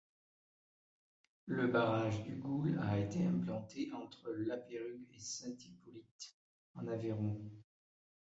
Le barrage du Goul a été implanté entre Lapeyrugue et Saint-Hippolyte, en Aveyron.